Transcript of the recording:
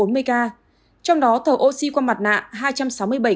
trong đó thở oxy qua mặt nạ hai trăm sáu mươi bảy m